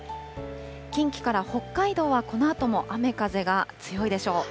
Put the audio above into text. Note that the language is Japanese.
近畿から北海道は、このあとも雨風が強いでしょう。